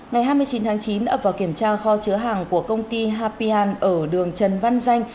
ngày hai mươi chín tháng chín ập vào kiểm tra kho chứa hàng của công ty hapian ở đường trần văn danh